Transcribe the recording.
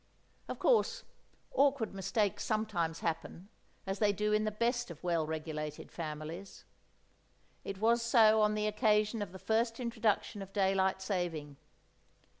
Of course awkward mistakes sometimes happen, as they do in the best of well regulated families. It was so on the occasion of the first introduction of Daylight Saving.